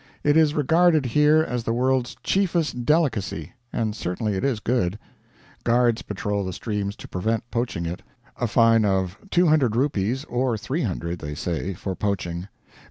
It is regarded here as the world's chiefest delicacy and certainly it is good. Guards patrol the streams to prevent poaching it. A fine of Rs.200 or 300 (they say) for poaching.